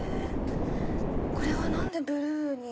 これは何でブルーに？